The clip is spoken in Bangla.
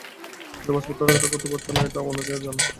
কিন্তু বাস্তবে তাঁরা তা করতে পারছেন না, এটা অনেকেরই জানা।